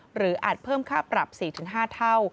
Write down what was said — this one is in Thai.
อาจเพิ่มค่าปรับ๔๕เท่า